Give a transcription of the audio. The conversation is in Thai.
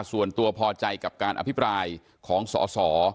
ส่วนตัวพอใจกับการอภิปรายของสอสอ